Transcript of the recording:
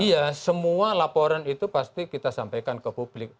iya semua laporan itu pasti kita sampaikan ke publik